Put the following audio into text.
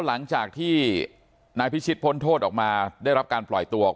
หลังจากที่นายพิชิตพ้นโทษออกมาได้รับการปล่อยตัว